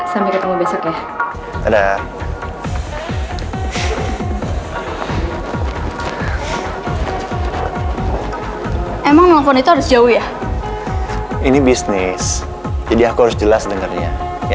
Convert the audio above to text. sampai jumpa di video selanjutnya